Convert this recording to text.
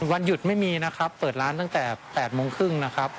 วันหยุดไม่มีนะครับเปิดร้านตั้งแต่๘โมงครึ่งนะครับ